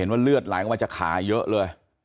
เห็นว่าเลือดหลายมาจากขาเยอะเลย